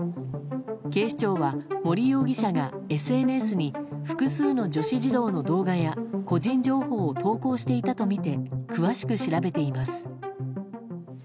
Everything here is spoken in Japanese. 警視庁は、森容疑者がＳＮＳに複数の女子児童の動画や個人情報を投稿していたとみて詳しく調べています。